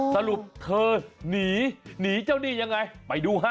สรุปเธอหนีหนีเจ้าหนี้ยังไงไปดูฮะ